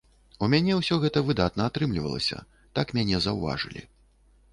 У мяне ўсё гэта выдатна атрымлівалася, так мяне заўважылі.